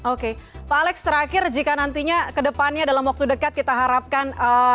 oke pak alex terakhir jika nantinya ke depannya dalam waktu dekat kita harapkan